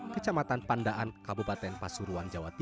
kecamatan pandaan kabupaten pasuruan